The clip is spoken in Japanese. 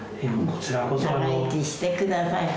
長生きしてください。